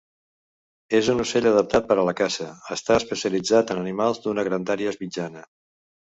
És un ocell adaptat per a la caça, està especialitzat en animals d'una grandària mitjana.